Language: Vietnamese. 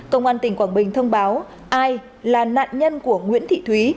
công an tỉnh quảng bình thông báo ai là nạn nhân của nguyễn thị thúy